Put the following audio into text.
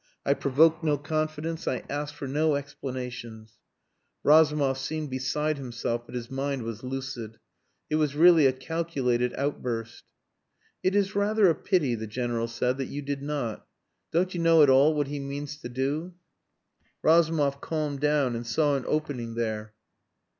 I provoked no confidence I asked for no explanations " Razumov seemed beside himself; but his mind was lucid. It was really a calculated outburst. "It is rather a pity," the General said, "that you did not. Don't you know at all what he means to do?" Razumov calmed down and saw an opening there.